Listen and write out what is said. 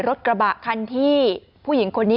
รถกระบะคันที่ผู้หญิงคนนี้